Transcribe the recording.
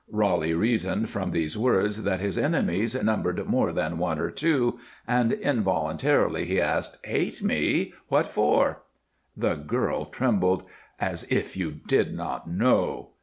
Roly reasoned from these words that his enemies numbered more than one or two, and involuntarily he asked: "Hate me? What for?" The girl trembled. "As if you did not know."